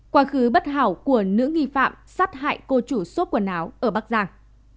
quá khứ bất hảo của nữ nghi phạm sát hại cô chủ xốp quần áo ở bắc giang